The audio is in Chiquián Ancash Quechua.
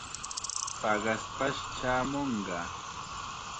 Paqaspash chaamunqa.